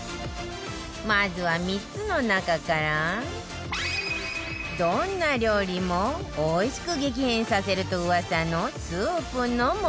まずは３つの中からどんな料理もおいしく激変させると噂のスープの素